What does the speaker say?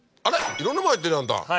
いろんなもの入ってるよあんた。